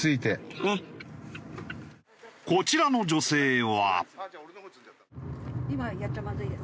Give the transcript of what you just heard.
こちらの女性は。